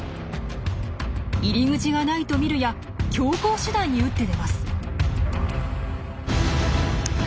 入り口がないと見るや強硬手段に打って出ます。